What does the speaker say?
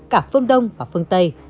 cả phương đông và phương tây